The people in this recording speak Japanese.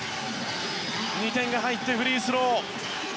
２点が入ってフリースロー。